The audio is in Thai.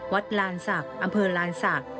วัดลานสักอำเภอลานสัก